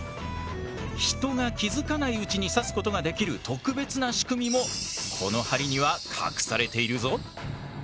人が気付かないうちに刺すことができる特別な仕組みもこの針には隠されているぞ。